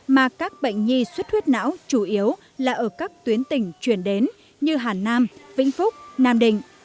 mà các bệnh nhi xuất huyết não chủ yếu là ở các tuyến tỉnh chuyển đến như hà nam vĩnh phúc nam định